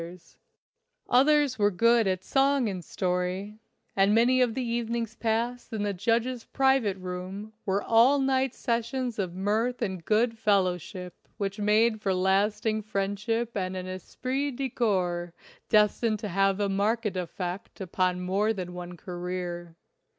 176 LIFE ON THE ILLINOIS CIRCUIT Others were good at song and story, and many of the evenings passed in the judge's private room were all night sessions of mirth and good fellow ship which made for lasting friendship and an esprit de corps destined to have a marked effect upon more than one career.